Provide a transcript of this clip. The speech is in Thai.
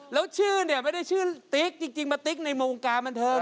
แล้วชื่อเนี่ยไม่ได้ชื่อติ๊กจริงมาติ๊กในวงการบันเทิง